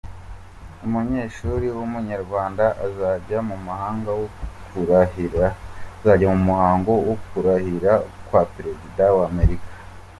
Umunyeshuri w’Umunyarwanda azajya mu muhango wo kurahira kwa Perezida w’ amerika